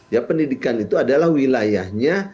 ya pendidikan itu adalah wilayahnya